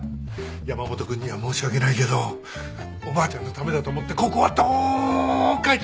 山本君には申し訳ないけどおばあちゃんのためだと思ってここはどか一つ！